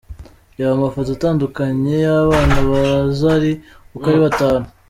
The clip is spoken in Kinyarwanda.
Reba Amafoto atandukanye y’abana ba Zari uko ari batanu:.